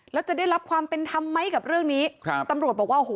แล้วจะได้รับความเป็นธรรมไหมกับเรื่องนี้ครับตำรวจบอกว่าโอ้โห